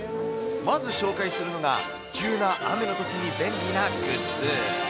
まず紹介するのが、急な雨のときに便利なグッズ。